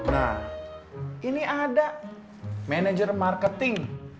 nah ini ada manajer marketing